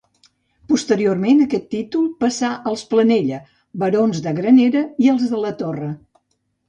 Posteriorment, aquest títol passà als Planella, barons de Granera, i als de la Torre.